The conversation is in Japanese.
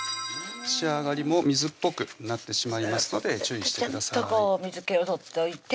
仕上がりも水っぽくなってしまいますので注意してください